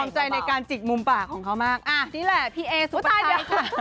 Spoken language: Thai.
ใจในการจิกมุมปากของเขามากอ่ะนี่แหละพี่เอสุตาเดียวค่ะ